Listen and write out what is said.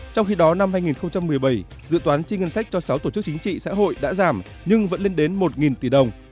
trong khi đó năm hai nghìn một mươi bảy dự toán chi ngân sách cho sáu tổ chức chính trị xã hội đã giảm nhưng vẫn lên đến một tỷ đồng